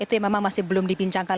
itu yang memang masih belum dibincangkan